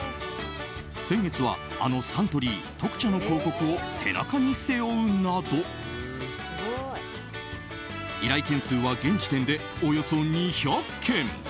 先月は、あのサントリー特茶の広告を背中に背負うなど依頼件数は現時点でおよそ２００件。